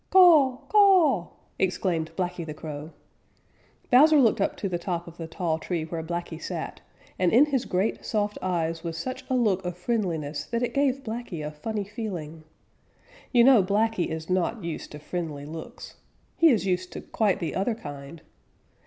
_ "Caw, ca a w!" exclaimed Blacky the Crow. Bowser looked up to the top of the tall tree where Blacky sat, and in his great, soft eyes was such a look of friendliness that it gave Blacky a funny feeling. You know Blacky is not used to friendly looks. He is used to quite the other kind.